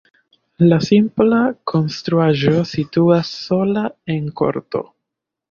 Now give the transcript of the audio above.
La simpla konstruaĵo situas sola en korto.